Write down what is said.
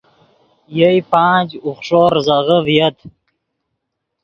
یئے پانچ، اوخݰو زیزغے ڤییت